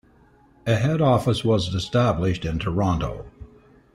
A head office was established in Toronto.